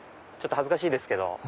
ちょっと恥ずかしいですけど。